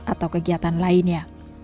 atau kegiatan lainnya